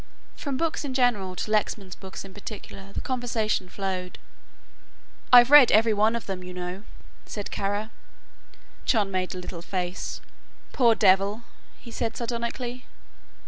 From books in general to Lexman's books in particular the conversation flowed. "I've read every one of them, you know," said Kara. John made a little face. "Poor devil," he said sardonically.